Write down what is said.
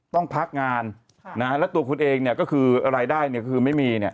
ต้องพักงานแล้วตัวคุณเองเนี่ยก็คือรายได้เนี่ยคือไม่มีเนี่ย